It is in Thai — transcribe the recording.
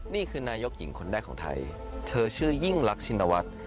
นี่คือนายกหญิงคนแรกของไทยเธอชื่อยิ่งรักชินวัฒน์